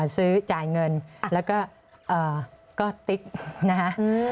ซื้อจ่ายเงินแล้วก็ติ๊กนะฮะ